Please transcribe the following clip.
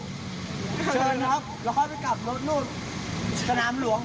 ก็เป็นคลิปเหตุการณ์ที่อาจารย์ผู้หญิงท่านหนึ่งกำลังมีปากเสียงกับกลุ่มวัยรุ่นในชุมชนแห่งหนึ่งนะครับ